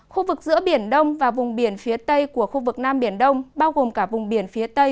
khu vực giữa biển đông và vùng biển phía tây của khu vực nam biển đông bao gồm cả vùng biển phía tây